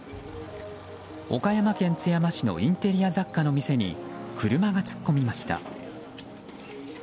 岡山県津山市のインテリア雑貨の店に車が突っ込みました。